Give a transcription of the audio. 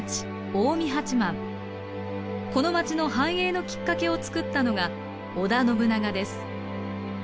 この町の繁栄のきっかけを作ったのが織田信長です。